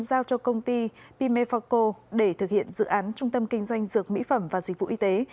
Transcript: giao cho công ty pimefoco để thực hiện dự án trung tâm kinh doanh dược mỹ phẩm và dịch vụ y tế